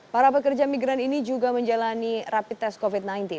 para pekerja migran ini juga menjalani rapid test covid sembilan belas